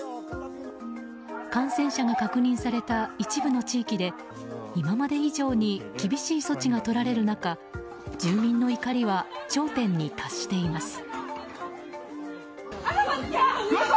感染者が確認された一部の地域で今まで以上に厳しい措置がとられる中住民の怒りは頂点に達しています。